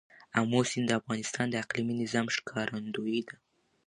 آمو سیند د افغانستان د اقلیمي نظام ښکارندوی ده.